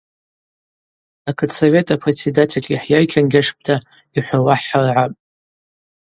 Акытсовет апредседательгьи хӏйайкьангьашпӏта йхӏвауа хӏхӏыргӏапӏ.